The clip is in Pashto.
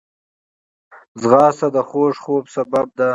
ځغاسته د خوږ خوب سبب ده